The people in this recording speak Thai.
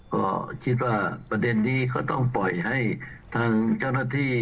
ก็คิดว่าประเด็นนี้ก็ต้องปล่อยให้ทางเจ้าหน้าที่